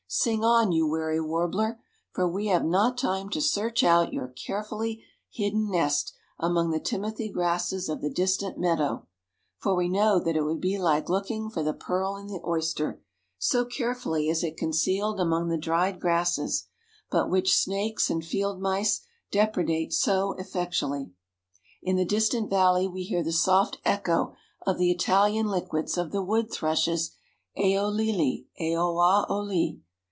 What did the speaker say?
Sing on, you wary warbler, for we have not time to search out your carefully hidden nest among the timothy grasses of the distant meadow, for we know that it would be like looking for the pearl in the oyster, so carefully is it concealed among the dried grasses, but which snakes and field mice depredate so effectually. In the distant valley we hear the soft echo of the Italian liquids of the wood thrush's "A o le le, a oa o le."